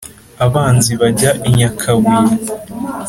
abanzi bajya i nyakabuye.